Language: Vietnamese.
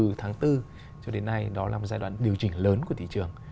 từ tháng bốn cho đến nay đó là một giai đoạn điều chỉnh lớn của thị trường